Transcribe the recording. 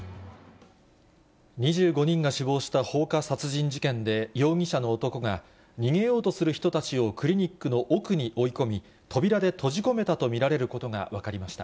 ２５人が死亡した放火殺人事件で、容疑者の男が、逃げようとする人たちをクリニックの奥に追い込み、扉で閉じ込めたと見られることが分かりました。